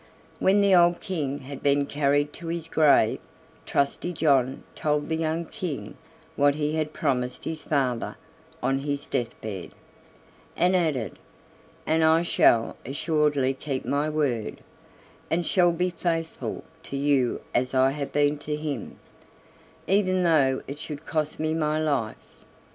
When the old King had been carried to his grave Trusty John told the young King what he had promised his father on his death bed, and added: "And I shall assuredly keep my word, and shall be faithful to you as I have been to him, even though it should cost me my life."